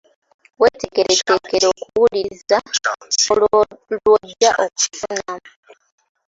Weeteeketeekere okuwuliriza lw'ojja okufunamu.